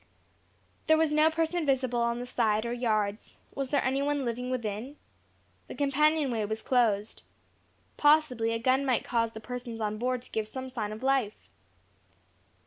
There was no person visible on the side or yards; was there any one living within? The companion way was closed. Possibly a gun might cause the persons on board to give some sign of life.